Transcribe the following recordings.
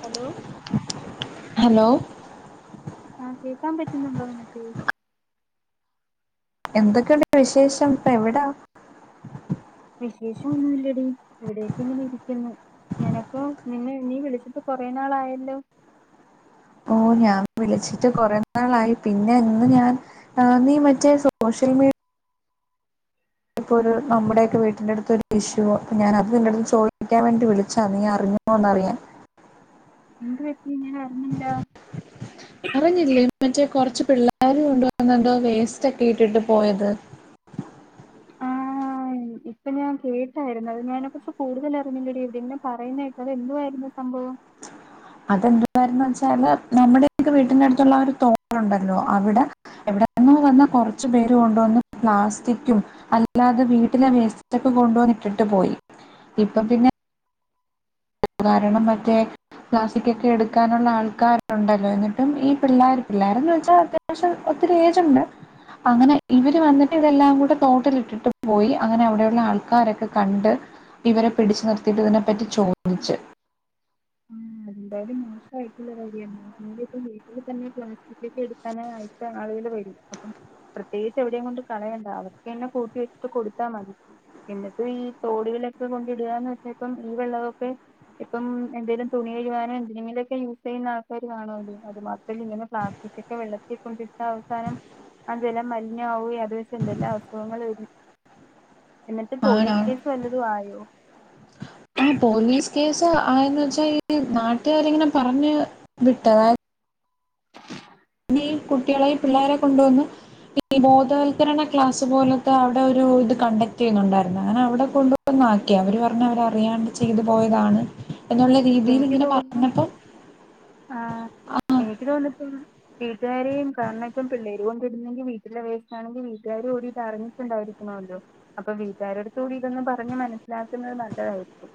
Hello hello ആകേക്കാൻ പറ്റുന്നുണ്ട അനെക്ക് എന്തൊക്കെയുണ്ട് വിശേഷം ഇപ്പോ എവിടാ വിശേഷമൊന്നുമില്ലടി ഇവിടെയൊക്കെ ഇങ്ങനെ ഇരിക്കുന്നു നിനക്കോ നിന്ന നീ വിളിച്ചിട്ട് കുറെ നാളായല്ലോ ഓ ഞാൻ വിളിച്ചിട്ട് കുറെേ നാളായി പിന്നെ ഇന്ന് ഞാൻ ആഹ് നീ മറ്റേ സോഷ്യൽ മീഡിയ ഇപ്പൊ ഒരു നമ്മുടെയൊക്കെ വീടിന്റെയടുത്ത് ഒരു ഇഷ്യുവോ ഞാനത് നിന്റെയടുത്ത് ചോദിക്കാൻ വേണ്ടി വിളിച്ചാ നീ അറിഞ്ഞോ ഒന്നറിയാൻ എന്ത് പറ്റി ഞാൻ അറിഞ്ഞില്ല അറിഞ്ഞില്ലേ മറ്റേ കുറച്ച് പിള്ളേരു കൊണ്ട് വന്നെന്തോ വേസ്റ്റ് ഒക്കെ ഇട്ടിട്ട് പോയത് ആഹ ഉ ഇപ്പൊ ഞാൻ കേട്ടായിരുന്നു അത് അതിനെകുറിച്ച് കൂടുതൽ അറിഞ്ഞില്ലടി പിന്നെ പറയുന്ന കേട്ടു അത് എന്തുവായിരുന്നു സംഭവം ഉ അതെന്ത് കയന്ന് വെച്ചാല് നമ്മുടെയൊക്കെ വീടിന്റെ അടുത്തുള്ള ആ ഒരു തോടുണ്ടല്ലോ അവിടെ എവിടെയെന്നു വന്ന കുറച്ചു പേര് കൊണ്ടുവന്ന് പ്ലാസ്റ്റിക്കും അല്ലാതെ വീട്ടിലെ വേസ്റ്റൊക്കെ കൊണ്ടുവന്നിട്ടുണ്ട് ഇട്ടിട്ട് പോയി ഇപ്പം പിന്നെ കാരണം മറ്റേ പ്ലാസ്റ്റിക്കൊക്കെ എടുക്കാനുള്ള ആൾക്കാരുണ്ടല്ലോ എന്നിട്ടും ഈ പിള്ളേർ പിള്ളോരന്ന് വെച്ചാൽ അത്യാവശ്യം ഇത്തിരി ഏജുണ്ട് അങ്ങനെ ഇവര് വന്നിട്ട് ഇതെല്ലാം കൂടെ തോട്ടിലിട്ടിട്ട് പോയി അങ്ങനെ അവിടെയുള്ള ആൾക്കാരൊക്കെ കണ്ട് ഇവരെ പിടിച്ചു നിർത്തിയിട്ടതിനെപ്പറ്റി ചോദിച്ച് എന്തായാലും മോശമായിട്ടുള്ള കാര്യമാണ് പറഞ്ഞ ഇപ്പ വീട്ടിൽ തന്നെ പ്ലാസ്റ്റിക്കൊക്കെ എടുക്കാനായിട്ട് ആളുകൾ വരും അപ്പം പ്രത്യേകിച്ച് എവിടെയും കൊണ്ട് കളയണ്ട അവർക്ക് തന്നെ കൂട്ടി വെച്ചിട്ട് കൊടുത്താൽ മതി എന്നിട്ടും ഈ തോടുകളിലൊക്കെ കൊണ്ട് ഇടുകന്ന് വെച്ചാൽ ഇപ്പം ഈ വെള്ളമൊക്കെ ഇപ്പം എന്തേങ്കലും തുണി കഴാനോ എന്തെങ്കിലുംക്ക യൂസ് ചെയ്യുന്ന ആൾക്കാര് കാണുവല്ലോ അത് മാത്രമല്ല ഇങ്ങനെ പ്ലാസ്റ്റിക്ക് ഒക്കെ വെള്ളത്തിൽ കൊണ്ടിട്ടാ അവസാനം അ ജലം മലിനമാവുകയും അത് വെച്ച് എന്തെല്ലാം അസുഖങ്ങൾ വരും എന്നിട്ട് പോലീസ് ആണാണ് കേസ് വല്ലതും ആയോ ആ പോലീസ് കേസ് ആയെന്ന് വെച്ചാൽ ഈ നാട്ടുകാര് ഇങ്ങനെ പറഞ്ഞ് വിട്ട് അതായത് ഇനി ഈ കുട്ടികളെയും പിള്ളേരെയും കൊണ്ടുവന്ന് ഈ ബോധവത്ക്കരണ ക്ലാസ് പോലത്തെ അവിടെ ഒരു ഇത് കണ്ടക്ടീയ്യുന്നുണ്ടായിരുന്നു അങ്ങനെ അവിടെ കൊണ്ട് വന്ന് ആക്കി അവര് പറഞ്ഞ് അവരറിയാണ്ട് ചെയ്തു പോയതാണ് എന്നുള്ള രീതിയിൽ എനിക്ക് ഇങ്ങനെ തോന്നുന്നു പറഞ്ഞപ്പം ആഹ് ആ എനിക്ക് തോന്നന്ന്പ്പം വീട്ടുകാരെയും കാരണം ഇപ്പം പിള്ളേര് കൊണ്ട് ഇടുന്നെങ്കിൽ വീട്ടിലെവേസ്റ്റ് ആണെങ്കിൽ വീട്ടുകാര് കൂടിട്ട് അറിഞ്ഞിട്ടിണ്ടാവി ക്കണോല്ലോ അപ്പൊ വീട്ടുകാരടുത്ത് കൂടി ഇതൊന്ന് പറഞ്ഞ് മനസ്സിലാക്കുന്നത് നല്ലതായിരിക്കും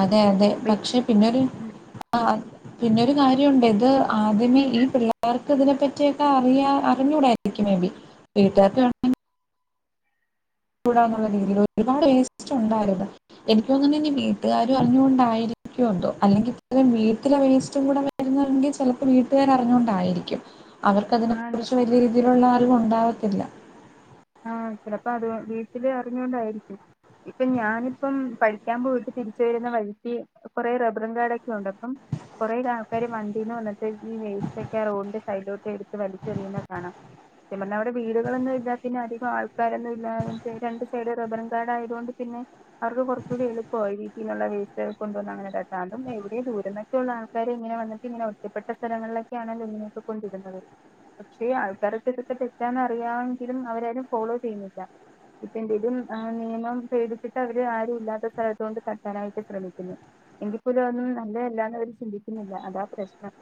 അതെ അതെ വീ പക്ഷേ പിന്നെയൊരു ഉം ആ പിന്നൊരു കാര്യം ഉണ്ട് ഇത് ആദ്യമേ ഈ പിള്ളേർക്ക് ഇതിനെപ്പറ്റിയൊക്കെ അറിയാ അറിഞ്ഞൂടായിരിക്കും മേ ബി വീട്ട്ക്കാർക് കൂടാവുന്നുള്ള രീതിയിൽ ഒരുപാട് വേസ്റ്റ് ഉണ്ടായിരുന്നു എനിക്ക് തോന്നുന്ന് ഇനി വീട്ടുകാരും അറിഞ്ഞുകൊണ്ടായിരി ക്ക്യോ എന്തോ അല്ലെങ്കിൽ ഇത്രം വീട്ടിലെ വേസ്റ്റും കൂടെ വരന്നുള്ളങ്കിൽ ചെലപ്പോ വീട്ടുകാര് അറിഞ്ഞൊണ്ടായിരിക്കും അവർക്ക് ആണ് അതിനെക്കുറിച്ച് വലിയ രീതിയിലുള്ള അറിവ് ഉണ്ടാവത്തില്ല ആഹ് ചിലപ്പോ അത് വീട്ടില് അറിഞ്ഞൊണ്ടായിരിക്കും ഇപ്പൊ ഞാനിപ്പം പഠിക്കാൻ പോയിട്ട് തിരിച്ച് വരുന്ന വഴിക്ക് കുറെ റബ്ബറും കാടൊക്കെ ഉണ്ട് അപ്പം കൊറെേ ആൾക്കാര് വണ്ടീല് വന്നിട്ട് ഈ വേസ്റ്റ്ക്കെ റോഡിൻ്റെ സൈഡിലോട്ട് എടുത്ത് വലിച്ചറിയുന്ന കാണാം സത്യംപറഞ്ഞ അവിടെ വീടുകളൊന്നും ഇല്ലാത പിന്നെ അധികം ആൾക്കാരൊന്നും ഇല്ലാണ്ട് രണ്ട് സൈഡും റബ്ബറിൻകാട് ആയതുകൊണ്ട് പിന്നെ അവർക്ക് കുറച്ചൂടി എളുപ്പ പ്പായി വീട്ടിനുള്ള വേസ്റ്റ് ക്കെ കൊണ്ടുവന്നങ്ങനെ തട്ടും അതും എവിടെയും ദൂരൊന്നൊക്കെള്ള ആൾക്കാര് ഇങ്ങനെ വന്നിട്ട് ഇങ്ങനെ ഒറ്റപ്പെട്ട സ്ഥലങ്ങളിലൊക്കെയാണല്ലോ ഇങ്ങനൊക്കെക്കൊണ്ടിടുന്നത് പക്ഷേ യീആൾക്കാരക്കെ ഇതൊക്ക തെറ്റാന്നറിയാൻ എങ്കിലും അവരാരും ഫോളോ ചെയ്യുന്നില്ല ഇപ്പ എന്തെലും ആഹ് നിയമം പേടിച്ചിട്ട് അവര് ആരും ഇല്ലാത്ത സ്ഥലത്ത് കൊണ്ട് തട്ടാനായിട്ട് ശ്രമിക്കുന്ന് എങ്കിപ്പോലും അവൊന്നും നല്ലതല്ലാന്ന് അവര് ചിന്തിക്കുന്നില്ല അതാ പ്രശ്നം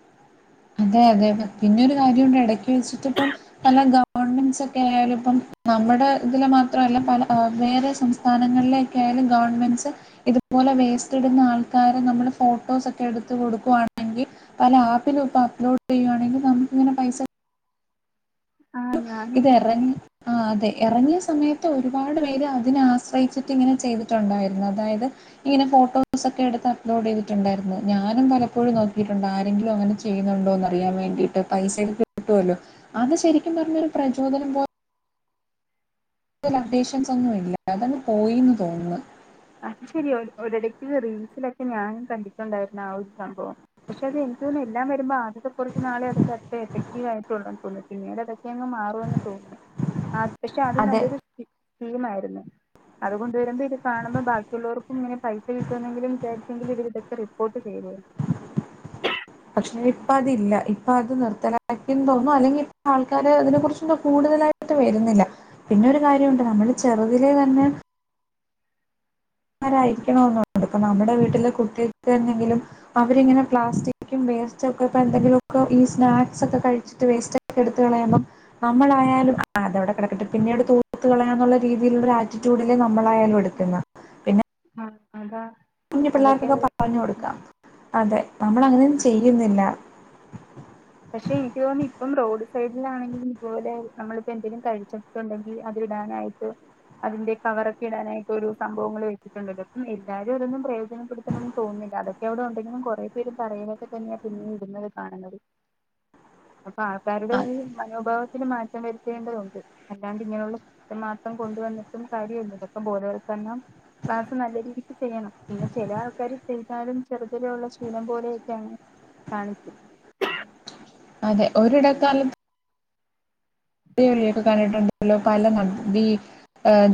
അതെ അതെ പിന്നൊരു കാര്യംണ്ട് ഇടക്ക് വെച്ചിട്ട് ഇപ്പം നല്ല ഗവൺമെന്റ്സ് ഒക്കെ ആയാലും ഇപ്പം നമ്മുടെ ഇതില് മാത്രല്ല പല വേറെ സംസ്ഥാനങ്ങളിലൊക്കെ ആയാലും ഗവൺമെന്റ്സ് ഇതുപോലെ വേസ്റ്റ് ഇടുന്ന ആൾക്കാരെ നമ്മള് ഫോട്ടോസൊക്കെ എടുത്ത് കൊടുക്കുവാണെങ്കി പല ആപ്പിലും ഇപ്പ ലോഡ് ചെയ്യു ആണെങ്കിൽ നമുക്കിങ്ങനെ പൈസ ആഹ് ന്നു ഞാനും ഇത് എറങ്ങി ആ അതെ എറങ്ങിയ സമയത്ത് ഒരുപാട് പേര് അതിനെ ആശ്രയിച്ചിട്ട് ഇങ്ങനെ ചെയ്തിട്ടുണ്ടായിരുന്നു അതായത് ഇങ്ങനെ ഫോട്ടോസ് ഒക്കെ എടുത്ത് അപ്ലോഡ് ചെയ്തിട്ടുണ്ടായിരുന്നു ഞാനും പലപ്പോഴും നോക്കിയിട്ടുണ്ട് ആരെങ്കിലും അങ്ങനെ ചെയ് ന്നുണ്ടോന്നറിയാൻ വേണ്ടിട്ട് പൈസക്കെ കിട്ടുല്ലോ അത് ശരിക്കും പറഞ്ഞരു പ്രചോദനം പോലെ അപ്ഡേഷൻസ് ഒന്നും ഇല്ല അതാണ് പോയിന്ന് തോന്നുന്ന് അത് ശരി ഒരിടക്ക്ത് റീൽസിലൊക്കെ ഞാനും കണ്ടിട്ടുണ്ടായിരുന്നു ആ ഒരു സംഭവം പക്ഷെ അത് എ നിക്ക് എല്ലാം വരുമ്പോ ആ കുറച്ച് നാളെ അതിന്റെ അത്ര എഫക്റ്റീവ് ആയിട്ട് ഉള്ളന്ന് തോന്നുന്നു പിന്നീട് അതൊക്കെയങ്ങ് മാറുന്ന് തോന്നുന്നു ആ പക്ഷെ അത് അതെ. നല്ലൊരു സ്കീമായിരുന്നു ബാക്കിയുള്ളവർക്കും ഇങ്ങനെ പൈസ കിട്ടുന്നെങ്കിലും വിചരിച്ചെങ്കിൽ ഇവര് ഇതൊക്കെ റിപ്പോർട്ട് ചെയ്തേനെ ഇപ്പ അതില്ല ഇപ്പ അത് നിർത്തലാക്കിന്ന് തോന്നുന്നു അല്ലെങ്കി ഇപ്പ ആൾക്കാര് അതിനെ കുറിചൊന്നും കൂടുതലായിട്ട് വരുന്നില്ല പിന്നെ ഒരു കാര്യുണ്ട് നമ്മള് ചെറുതിലെ തന്നെ മാരായിരിക്കണംന്ന് ഉണ്ട് നമ്മുടെ വീട്ടിലെ കുട്ടികൾക്ക് എന്നെങ്കിലും അവരിങ്ങനെ പ്ലാസ്റ്റിക്കും വേസ്റ്റോക്കെ പ്പഎന്തെിലുക്കെ ഈ സ്നാക്സ് ഒക്കെ കഴിച്ചിട്ട് വേസ്റ്റ് ക്കെ എടുത്ത്കളയുമ്പേ നമ്മളായാലും ആ അതവിടെ കിടക്കിട്ട് പിന്നീട് തൂത്ത് കളയാന്നുള്ള രീതിയിലുള്ള ഒരു ആറ്റിറ്റ്യൂഡില്ലേ നമ്മളായാലും എടുക്കുന്ന് പിന്നെ ആ അതാ കുഞ്ഞു അതൊക്കെ പിള്ളേർക്കൊക്കെ അവര് പറഞ്ഞു കൊടുക്കാം അതെ നമ്മൾ അങ്ങനെ ഒന്നും അത് ശരിയാ ചെയ്യുന്നില്ല പക്ഷെ എനിക്ക് തോന്നുന്നു ഇപ്പം റോഡ് സൈഡിലാണെങ്കിലും ഇതുപോലെ നമ്മളിപ്പോ എന്തെങ്കിലും കഴിച്ചിട്ടുണ്ടെങ്കിൽ അതി ടാൻ ആയിട്ട് അതിന്റെ കവറൊക്കെ ഇടാനായിട്ട് ഒരു സംഭവങ്ങള് വെച്ചിട്ടുണ്ടല്ലോ അപ്പം എല്ലാരും അതൊന്നും പ്രയോജനപ്പെടുത്തണംന്ന് തോന്ന ന്നില്ല അതൊക്കെ അവിടെ ഉണ്ടെങ്കിലും കുറേ പേര് തറയിലൊക്കെ തന്നെയാ പിന്നിം ഇടുന്നത് കാണുന്നത് അപ്പൊ ആൾക്കാരുടെ അ ഒരു മനോഭാവം ഒത്തരി മാറ്റം വരുത്തേണ്ടതുണ്ട് അല്ലാണ്ട് ഇങ്ങനെയുള്ള മാത്രം കൊണ്ടുവന്നിട്ടും കാര്യം ഇല്ലല്ലോ ഇപ്പം ബോധവൽക്കരണ എണ്ണം ക്ലാസ് നല്ല രീതിക്ക് ചെയ്യണം പിന്നെ ചില ആൾക്കാർ ചെയ്താലും ചെറുതിലെ ഉള്ള ശീലം പോലെയൊക്കെയാണ് കാണിച്ചു അതെ ഒരിടക്കാലത്ത് ടി വി യൊക്കെ കണ്ടിട്ടൊണ്ടങ്കില്ലും പല നദി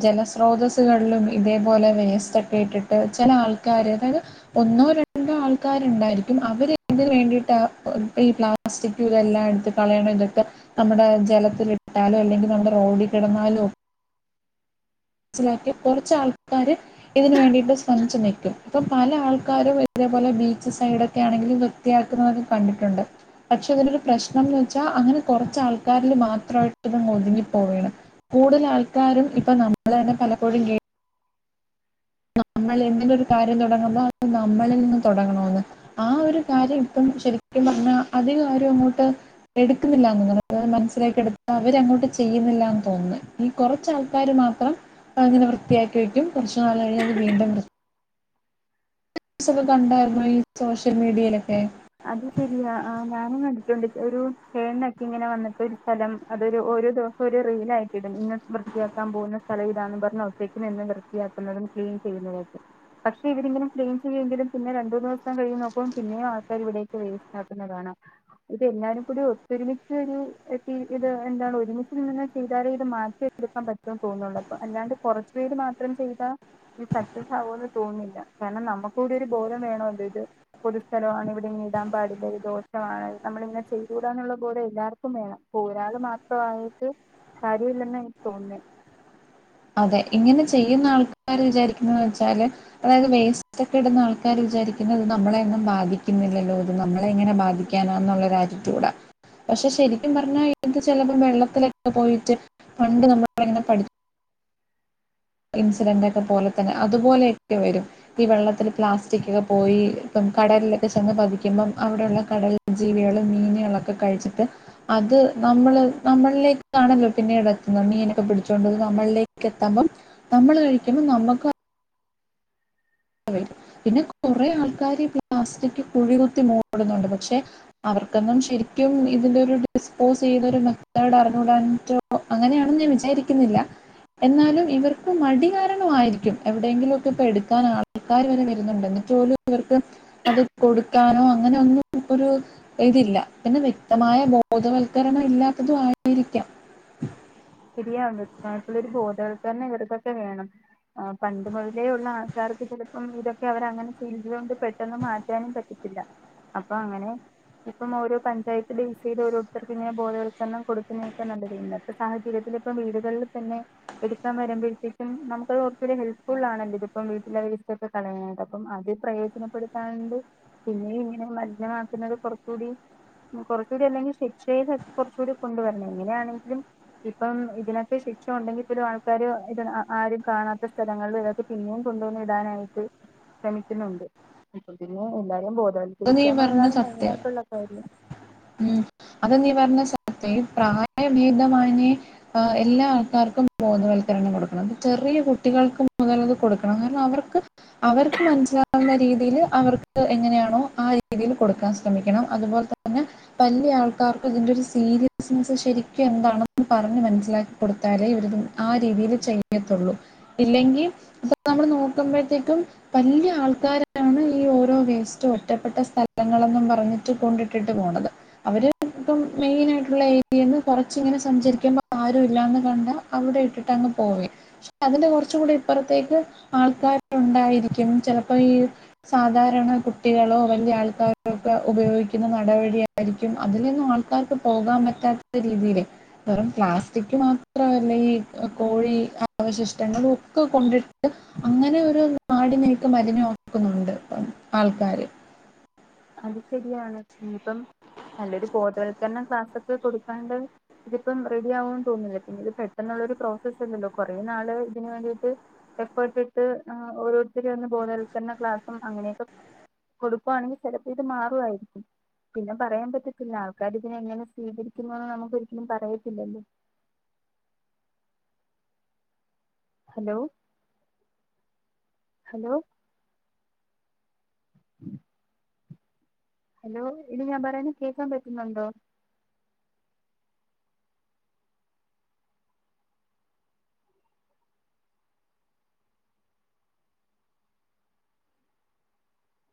ജലസ്രോതസ്സുകളിലും ഇതേപോലെ വെസറ്റ്ക്കെ ഇട്ടിട്ട് ചില ആൾക്കാര് അതായത് ഒന്നോ രണ്ടോ ആൾക്കാരുണ്ടായിരിക്കും അവര് ഇതിന് വേണ്ടിയിട്ട് ഈ പ്ലാസ്റ്റിക് ഇതെല്ലാം കളയണം ഇതൊക്കേ നമ്മുടെ ജല ഇട്ടാലോ അല്ലെങ്കിൽ നമ്മുടെ റോഡി കിടന്നാലോ മനസ്സിലാക്കി കുറച്ച് ആൾക്കാര് ഇതന് വേണ്ടിയിട്ട് ശ്രമിച്ചു നിൽക്കും അപ്പം പല ആൾക്കാരും ഇതേപോലെ ബീച്ച് സൈഡൊക്കെയാണെങ്കിലും വൃത്തിയാക്കുന്നതും കണ്ടിട്ടുണ്ട് പക്ഷെ അതിനൊരു പ്രശ്നംന്ന് വെച്ചാൽ അങ്ങനെ കുറച്ച് ആൾക്കാരില് മാത്രം ത്രാട്ട് ഇതങ്ങ് ഒതുങ്ങി പ്പോവയാണ് കൂടുതൽ ആൾക്കാരും ഇപ്പൊ നമ്മള് തന്നെ പലപ്പോഴും കേ നമ്മൾ ഇങ്ങനെ ഒരു കാര്യം തുടങ്ങുമ്പം അത് നമ്മളിൽ നിന്ന് തുടങ്ങണന്ന് ആ ഒരു കാര്യം ഇപ്പം ശരിക്കും [unintelligible] അധികം അവരും അങ്ങോട്ട് എടുക്കുന്നില്ലന്ന്ത് മനസ്സിലാക്കി എടുത്ത് അവരങ്ങോട്ട് ചെയ്യുന്നില്ല ത ഈ കുറച്ച ആൾക്കാർ മാത്രം അങ്ങനെ വൃത്തിയാക്കി വക്കും കുറച്ച് നാള് അത് വീണ്ടും ന്യൂസൊക്കെ കണ്ടായിരുന്നോ ഈ സോഷ്യൽ മീഡിയയിലൊക്കെ അത് ശരിയാ ഞാനും കണ്ടിട്ടൊണ്ട് ഒരു ചേന്നക്കെ ഇങ്ങനെ വന്നിട്ട് ഒരു സ്ഥലം അതൊരു ഒരു ദിവസം ഒരു റീൽ ആയിട്ടിടും ഇന്ന് വൃത്തിയാക്കാൻ പോകുന്ന സ്ഥലം ഇതാന്ന് പറഞ്ഞ് അവത്തേക്കും നിന്ന് വൃത്തിയാക്കുന്നതും ക്ലീൻ ചെയ്യുന്നതായിട്ട് പക്ഷെ ഇവരിങ്ങനെ ക്ലീൻ ചെയ്യുമെങ്കിലും പിന്നെ രണ്ടൂ ദിവസം കഴിയും നോക്കുമ്പം പിന്നെയും അവര് ഇവിടെയൊക്കെ വരൂ ഇതാക്കുന്ന കാണാം എല്ലാർക്കും ഒത്തൊമിച്ച് ഒരു ഇത് എന്താ ഒരുമിച്ച് നിന്ന് ചെയ്താലേ ഇത് മാറ്റിയെടുക്കാൻ പറ്റുമെന്ന് തോന്നുന്നുണ്ട് അപ്പൊ അല്ലാണ്ട് കുറച്ച് പേര് മാത്രം ചെയ്താ സക്സസ് ആകുമെന്ന് തോന്നുന്നില്ല കാരണം നമ്മുക്ക കൂടെ ഒരു ബോധം വേണോല്ലോ ഇത് പൊതുസ്ഥലം ആണ് മിണ്ടാൻ പാടില്ല ഇത് ദോഷമാണ് ആയിട്ട് കാര്യമില്ലെന്ന് എനിക്ക് തോന്നുന്നെ അതെ ഇങ്ങനെ ചെയ്യുന്ന ആൾക്കാര് വിചാരിക്കുന്നന്ന് വെച്ചാല് അതായത് വേസ്റ്റ് ഒക്കെ ഇടുന്ന ആൾക്കാര് വിചാരിക്കുന്നത് നമ്മളെൊന്നും ബാധിക്കുന്നില്ലല്ലോ ഇത് നമ്മളെ എങ്ങനെ ബാധിക്കാനാ എന്നുള്ളൊ ആറ്റിറ്റ്യൂഡാ പക്ഷെ ശരിക്കും പറഞ്ഞ ഇപ്പേഴത്തെ ചിലപ്പോ വെള്ളത്തിലൊക്കെ പോയിട്ട് പണ്ട് നമ്മൾ ഇങ്ങനെ പഠി ഇൻസിഡന്റ് ഒക്കെ പോലെ തന്നെ അതുപോലെയൊക്കെ വരും ഈ വെള്ളത്തിൽ പ്ലാസ്റ്റിക് ഒക്കെ പോയി ഇപ്പം കടലിലൊക്കെ ചെന്ന് പതിക്കുമ്പം അവിടെയുള്ള കടൽ ജീവികളും മീനുകളൊക്കെ കഴിച്ചിട്ട് അത് നമ്മള് നമ്മളിലേക്കാണല്ലോ പിന്നെ ഇട എത്തുന്നു മീനൊക്കെ പിടിച്ചുകോണ്ടത് നമ്മളിലേക്ക് എത്തുമ്പം നമ്മൾ കഴിക്കുമ്പം നമ്മുക്ക് പിന്നെ കുറെ ആൾക്കാര് പ്ലാസ്റ്റിക് കുഴി കുത്തി മൂടുന്നുണ്ട് പക്ഷെ അവർ അവക്കൊന്നും ശരിക്കും ഇതിന്റെ ഒരു ഡിസ്പോസ് ചെയ്തൊരു മെതേഡ് അറിഞ്ഞുടാനോ അങ്ങനെയാണെന്ന് വിചാരിക്കുന്നില്ല എന്നാലും ഇവർക്ക് മടികാരണമായിരിക്കും എവിടെങ്കിലും ഒക്കെ ഇപ്പോ എടുക്കാ ആൾ ആൾക്കാർ വരെ വരുന്നുണ്ട് എന്നിട്ടുപോലും ഇവർക്ക് അത് കൊടുക്കാനോ അങ്ങനെ ഒന്നും ഒരു ഇതില്ല പിന്നെ വ്യക്തമായ ബോധവൽക്കരണം ഇല്ലാത്തതും ആയിരിക്കാം ശരിയാ വൃത്തായിട്ടുള്ളരു ബോധവൽക്കര ഇവർക്കൊക്കെ വേണം ആ പണ്ട് മുതലേ ഉള്ള ആൾക്കാർക്ക് ചിലപ്പോം ഇതൊക്കെ അവർ അങ്ങനെ ചെയ്തത് കൊണ്ട് പെട്ടെന്ന് മാറ്റാനും പറ്റി ഇല്ല അപ്പൊ അങ്ങനെ ഇപ്പം ഓരോ പഞ്ചായത്തിന്റെ വിസയിൽ ഓരോരുത്തർക്ക് ഇങ്ങനെ ബോവൽക്കരണം കൊടുന്നക്കാ നല്ലത് ഇന്നത്തെ സാഹചര്യത്തി ഇതിപ്പം വീടുകളിൽ തന്നെ എടുക്കാൻ വരുമ്പോഴത്തേക്കും നമുക്ക് കുറച്ചോ കൂടി ഹെൽപ് ഫുൾ ആണല്ലോ ഇതിപ്പം വീട്ടില് വേസ്റ്റ് ഒക്കെ കളയാനായിട്ട് അപ്പം അത് പ്രയോജനപ്പെടുത്താണ്ട് പിന്നെ ഇങ്ങനെ മലിനമാക്കുന്നത് കുറ കൂടി കുറച്ചൂടി അല്ലെങ്കിൽ ശിക്ഷയും കുറച്ചുകൂടി കൊണ്ടുവരണം ഇങ്ങനെയാണെങ്കിലും ഇപ്പം ഇതിനൊക്കെ ശിക്ഷ ഉണ്ടെങ്കിൽ പോലും ആൾക്കാർ ഇത് ആരും കാണാത്ത സ്ഥലങ്ങളിൽ ഇതൊക്കെ പിന്നെയും കൊണ്ടു വന്ന് ടാനായിട്ട് ശ്രമിക്കുന്നുണ്ട് അപ്പൊ പിന്നെ എല്ലാരും അത് നീ വൽക്കരിക്കാനുള്ളതാണ് പറഞ്ഞത് സത്യം. മെയിനായിട്ടുള്ള കാര്യം ഉം അത് നീ പറഞ്ഞ സത്യം പ്രായഭേദമാന്യേ എല്ലാ ആൾക്കാർക്കും ബോധവൽക്കണം ക്കരണം കൊടുക്കണം ചെറിയ കുട്ടികൾക്ക് മുതലത് കൊടുക്കണം കാരണം അവർക്ക് അവർക്ക് മനസിലാവുന്ന രീതിയിൽ അവർക്ക് എങ്ങനെയാണോ ആഹ് രീതിയിൽ കൊടുക്കാൻ ശ്രമിക്കണം അതുപോലെ ത ന്നെ വല്യ ആൾക്കാർക്ക് ഇതിന്റെ ഒരു സീരിയസ്നെസ്സ് ശരിക്കും എന്താണെന്ന് പറഞ്ഞ് മനസ്സിലാക്കി കൊടുത്ത് [unintelligible] ആ രീതിയിൽ ചെയ്യത്തൊള്ളൂ ഇല്ലെങ്കി ഇപ്പൊ നമ്മള് നോക്കുമ്പഴത്തേക്കും വല്യ ആൾക്കാരാണ് ഈ ഓരോ വേസ്റ്റ് ഒറ്റപ്പെട്ട സ്ഥലങ്ങളെന്നും പറഞ്ഞിട്ട് കൊണ്ടി ട്ടിട്ട് പോണത് അവര് ഇപ്പം മെയിനായിയിട്ടുള്ള ഏരിയേന്ന് കൊറച്ച് ഇങ്ങനെ സഞ്ചരിക്കുമ്പോ ആരും ഇല്ലാന്ന് കണ്ടാ അവിടെ ഇട്ടിട്ട് അങ്ങ് പോവേ പക്ഷെ അതിന്റെ കുറച്ചും കൂടി ഇപ്പറത്തേക്ക് ആൾക്കാരുണ്ടായിരിക്കും ചെലപ്പോ ഈ സാധാരണ കുട്ടികളോ വല്യ ആൾക്കാരോക്കെ ഉപയോഗിക്ക ന്ന നടവഴി ആയിരിക്കും അതിലൊന്നും ആൾക്കാർക്ക് പോകാൻ പറ്റാത്ത രീതിയിലേ വെറും പ്ലാസ്റ്റിക് മാത്രല്ല ഈ കോഴി അവശിഷ്ടങ്ങളൊക്കെ കൊണ്ടിട്ട് അങ്ങനെ ഒരു നടിനൊക്കെ മലിനമാക്കുന്നുണ്ട് ഇപ്പം ആൾക്കാാര് [inaudible] അത് ശരിയാണ് ഇനി ഇപ്പം നല്ലൊരു ബോധവൽക്കരണം ക്ലാസൊക്കെ കൊടുക്കാണ്ട് ഇതിപ്പം റെഡി ആവുന്ന് തോന്നുന്നില്ല പിന്നെ ഇത് പെട്ടെന്ന് ഒരു പ്രോസസ് അല്ലല്ലോ കൊറേ നാള് ഇതിനുവേണ്ടിയിട്ട് എഫേർട്ടിട്ട് ഓരോരുത്തരെ ഒന്ന് ബോധവൽ വൽക്കരണ ക്ലാസ്സും അങ്ങനെയൊക്കെ കൊടുക്കുവാണെങ്കിൽ ചെലപ്പോ ഇത് മാറുവായിരിക്കും പിന്നെ പറയാൻ പറ്റത്തില്ല ആൾക്കാർ ഇതിനെ എങ്ങനെ സ്വീകരിക്കുമോന്ന് നമുക്ക് ഒരിക്കലും പറയത്തില്ലല്ലോ [inaudible] ഹലോ ഹലോ ഹലോ ഇനി ഞാൻ പറയുന്ന കേക്കാൻ പറ്റുന്നുണ്ടോ